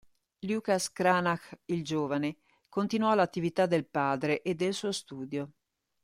Lucas Cranach il Giovane continuò l'attività del padre e del suo studio.